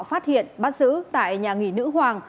phát hiện bắt giữ tại nhà nghỉ nữ hoàng